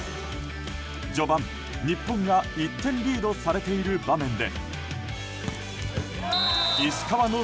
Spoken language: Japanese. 序盤、日本が１点リードされている場面で。